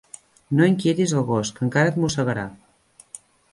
No inquietis el gos, que encara et mossegarà.